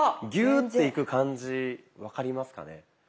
ギューッていく感じ分かりますかね。